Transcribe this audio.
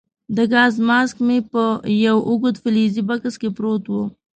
د ګاز ماسک مې په یو اوږد فلزي بکس کې پروت وو.